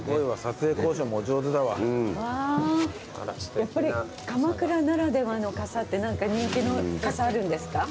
やっぱり鎌倉ならではの傘って何か人気の傘あるんですか？